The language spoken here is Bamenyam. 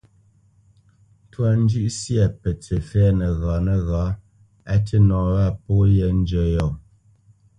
Ntwá njʉ́ʼ syâ pətsǐ fɛ̌ nəghǎ nəghǎ, á tî nɔ wâ pó yē njə́ yɔ̂,